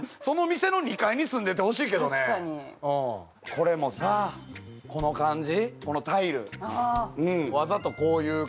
これもさこの感じ。